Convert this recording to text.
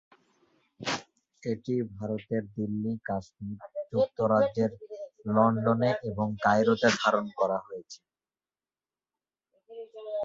এটি ভারতের দিল্লি, কাশ্মীর, যুক্তরাজ্যের লন্ডনে এবং কায়রোতে ধারণ করা হয়েছে।